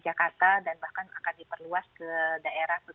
jadi misalnya di dki jakarta dan bahkan akan diperluas ke daerah daerah lain